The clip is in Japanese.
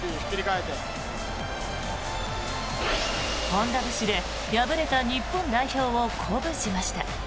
本田節で敗れた日本代表を鼓舞しました。